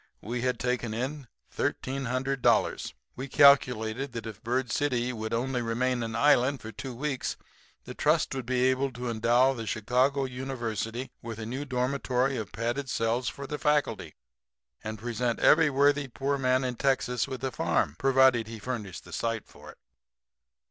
We had taken in $1,300. We calculated that if Bird City would only remain an island for two weeks the trust would be able to endow the Chicago University with a new dormitory of padded cells for the faculty, and present every worthy poor man in Texas with a farm, provided he furnished the site for it.